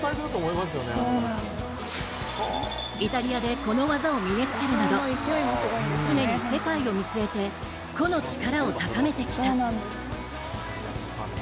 イタリアでこの技を身につけるなど常に世界を見据えて、個の力を高めてきた。